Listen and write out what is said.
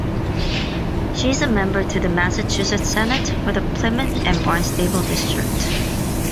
She is the member to the Massachusetts Senate for the Plymouth and Barnstable district.